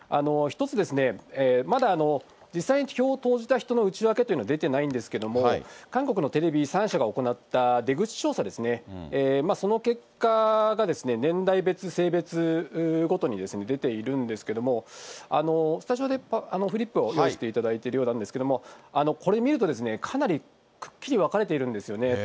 一つ、まだ実際に票を投じた人の内訳というのは出てないんですけれども、韓国のテレビ３社が行った出口調査ですね、その結果が、年代別、性別ごとに出ているんですけども、スタジオでフリップを出していただいているようなんですけれども、これ見ると、かなりくっきり分かれているんですよね。